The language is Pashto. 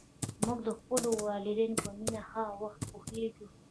موږ د خپلو والدینو په مینه هغه وخت پوهېږو.